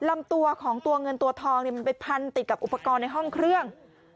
ลำตัวของตัวเงินตัวทองมันไปพันติดกับอุปกรณ์ในห้องเครื่อง